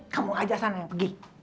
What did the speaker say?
kamu aja sana yang pergi